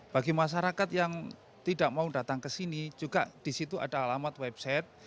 bagi masyarakat yang tidak mau datang ke sini juga di situ ada alamat website